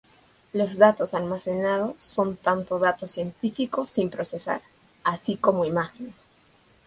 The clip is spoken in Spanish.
Los datos almacenados son tanto datos científicos sin procesar, así como imágenes.